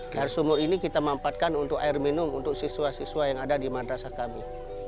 dan semua ini kita memanfaatkan untuk air minum untuk siswa siswa yang ada di madrasah kami